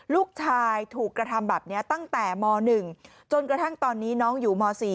ลูกชายถูกกระทำแบบนี้ตั้งแต่ม๑จนกระทั่งตอนนี้น้องอยู่ม๔